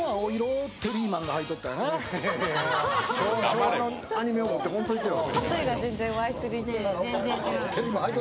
昭和のアニメを持ってこんといてよ。